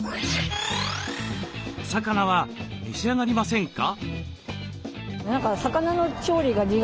お魚は召し上がりませんか？